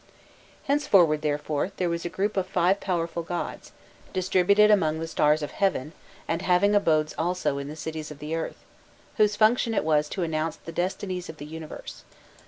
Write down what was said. Henceforward, therefore, there was a group of five powerful gods distributed among the stars of heaven, and having abodes also in the cities of the earth whose function it was to announce the destinies of the universe.